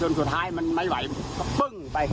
จนสุดท้ายไม่ไหวเผ่งไป